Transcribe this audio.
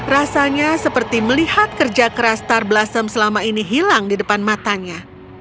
rasanya seperti melihat kerja keras star blossom selama ini hilang di depan matanya